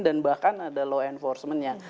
dan bahkan ada law enforcementnya